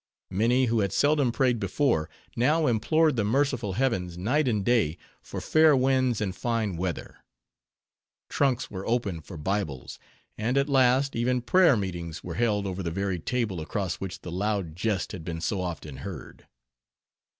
Many, who had seldom prayed before, now implored the merciful heavens, night and day, for fair winds and fine weather. Trunks were opened for Bibles; and at last, even prayer meetings were held over the very table across which the loud jest had been so often heard.